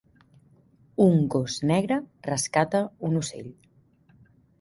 Un gos negre rescata un ocell.